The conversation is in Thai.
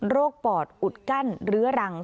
ปอดอุดกั้นเรื้อรัง